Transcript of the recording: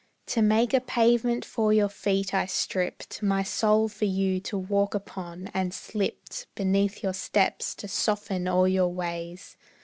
To make a pavement for your feet I stripped My soul for you to walk upon, and slipped Beneath your steps to soften all your ways.